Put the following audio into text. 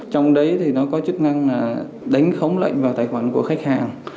trong đấy thì nó có chức năng là đánh khống lệnh vào tài khoản của khách hàng